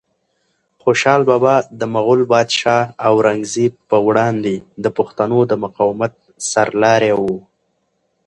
خوشحال بابا د مغول پادشاه اورنګزیب په وړاندې د پښتنو د مقاومت سرلاری و.